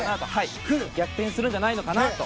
ここ。逆転するんじゃないのかなと。